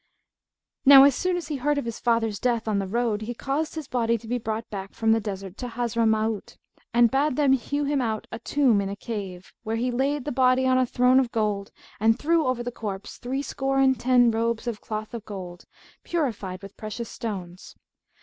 Now as soon as he heard of his father's death on the road, he caused his body to be brought back from the desert to Hazramaut and bade them hew him out a tomb in a cave, where he laid the body on a throne of gold and threw over the corpse threescore and ten robes of cloth of gold, purfled with precious stones.